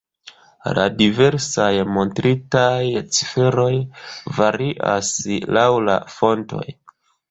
La diversaj montritaj ciferoj varias laŭ la fontoj.